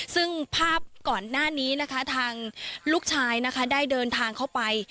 ซึ่งภาพก่อนหน้านี้นะคะทางลูกชายนะคะได้เดินทางเข้าไป